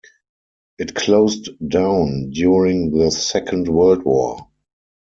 It closed down during the Second World War.